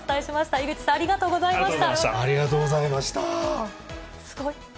井口さん、ありがとうございました。